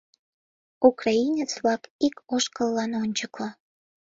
Украинец-влак — ик ошкыллан ончыко!